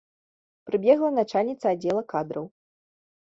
Прыбегла начальніца аддзела кадраў.